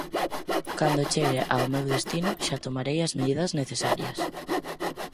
Cando chegue ao meu destino, xa tomarei as medidas necesarias.